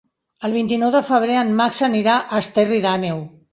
El vint-i-nou de febrer en Max anirà a Esterri d'Àneu.